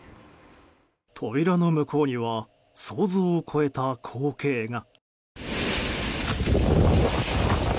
扉の向こうには想像を超えた光景が。